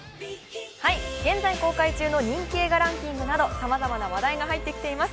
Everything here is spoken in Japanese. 現在公開中の人気映画ランキングなどさまざまな話題が入ってきています。